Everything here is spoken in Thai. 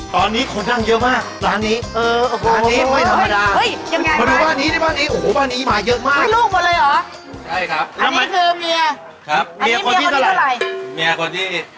ตอนนี้คนนั่งเยอะมากร้านนี้